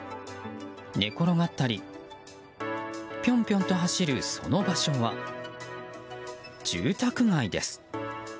寝転がったりぴょんぴょんと走る、その場所は住宅街です。